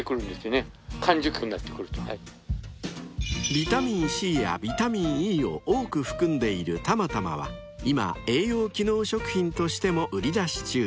［ビタミンＣやビタミンＥを多く含んでいるたまたまは今栄養機能食品としても売り出し中］